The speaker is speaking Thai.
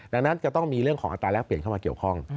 ดังนั้นจะต้องมีเรื่องของอัตราแรกเปลี่ยนเข้ามาเกี่ยวข้อง